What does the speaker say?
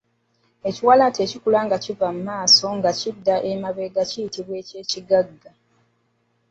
Ekiwalaata ekikula nga kiva mu maaso nga kidda mabega kyitiba eky’ekigagga.